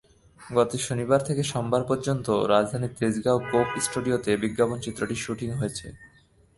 গত শনিবার থেকে সোমবার পর্যন্ত রাজধানীর তেজগাঁওয়ে কোক স্টুডিওতে বিজ্ঞাপনচিত্রটির শুটিং হয়েছে।